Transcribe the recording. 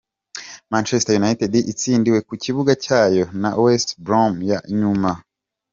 Manchester United itsindiwe ku kibuga cyayo na West Bromo ya nyuma.